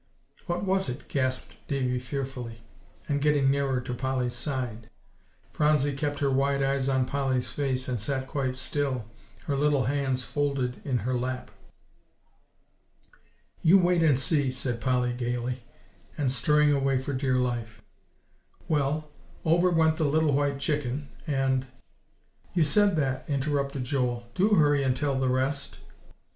"What was it?" gasped Davie fearfully, and getting nearer to Polly's side. Phronsie kept her wide eyes on Polly's face, and sat quite still, her little hands folded in her lap. "You wait and see," said Polly gayly, and stirring away for dear life. "Well, over went the little white chicken, and" "You said that," interrupted Joel; "do hurry and tell the rest."